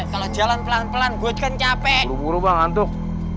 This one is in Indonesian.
kalau jalan pelan pelan gue kan capek rubah ngantuk